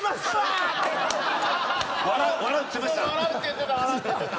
笑うって言ってました？